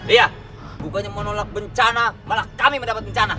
iya bukannya menolak bencana malah kami mendapat bencana